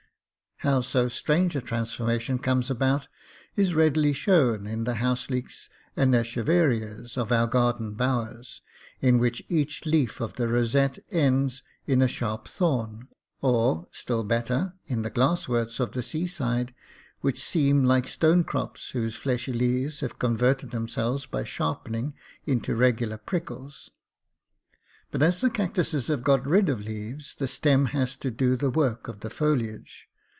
How so strange a transforma tion comes about is readily shown in the house leeks and eche verias of our garden bowers, in which each leaf of the rosette ends in a sharp thorn ; or, still better, in the glassworts of the sea side, which seems like stone crops whose fleshy leaves have con verted themselves by sharpening into regular prickles. But as the cactuses have got rid of leaves, the stem has to do the work of the foliage.